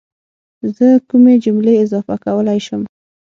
زه کومې جملې اضافه کولی شم